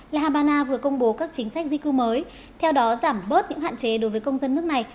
la habana vừa công bố các chính sách di cư mới theo đó giảm bớt những hạn chế đối với công dân nước này